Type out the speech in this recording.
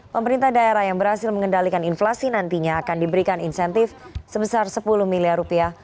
pemerintah daerah yang berhasil mengendalikan inflasi nantinya akan diberikan insentif sebesar sepuluh miliar rupiah